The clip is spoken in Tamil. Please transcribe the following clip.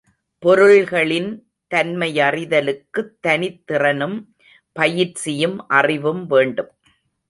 பொருள்களின் தன்மையறிதலுக்குத் தனித்திறனும் பயிற்சியும், அறிவும் வேண்டும்.